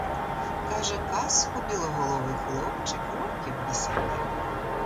Каже казку білоголовий хлопчик років десяти.